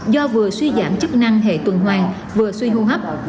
do vừa suy giảm chức năng hệ tuần hoàng vừa suy hô hấp